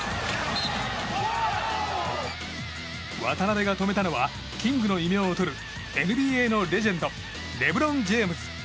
渡邊が止めたのはキングの異名をとるＮＢＡのレジェンドレブロン・ジェームズ。